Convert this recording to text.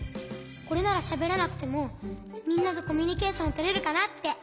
これならしゃべらなくてもみんなとコミュニケーションとれるかなって。